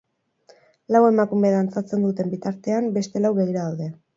Lau emakume dantzatzen duten bitartean beste lau begira daude.